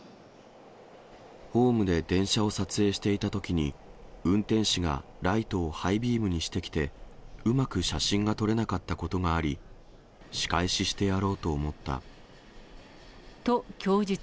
ホームで電車を撮影していたときに、運転士がライトをハイビームにしてきて、うまく写真が撮れなかったことがあり、と、供述。